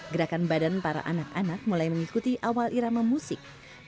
gerakan badan para anak anak mulai mengikuti awal irama musik